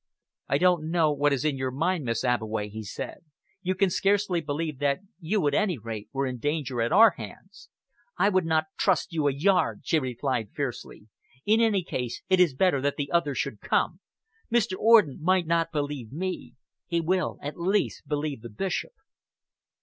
"I don't know what is in your mind, Miss Abbeway," he said. "You can scarcely believe that you, at any rate, were in danger at our hands." "I would not trust you a yard," she replied fiercely. "In any case, it is better that the others should come. Mr. Orden might not believe me. He will at least believe the Bishop."